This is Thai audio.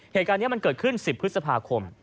เหตุการณ์นี้มันเกิดขึ้น๑๐พฤษภาคม